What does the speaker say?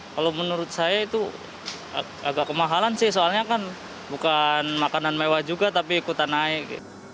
kalau menurut saya itu agak kemahalan sih soalnya kan bukan makanan mewah juga tapi ikutan naik